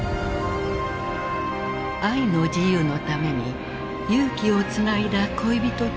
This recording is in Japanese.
愛の自由のために勇気をつないだ恋人たちの物語である。